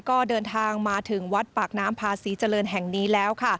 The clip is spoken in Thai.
ก็เดินทางมาถึงวัดปากน้ำพาศรีเจริญแห่งนี้แล้ว